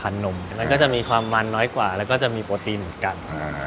เราก็จะค่อยแซะมัน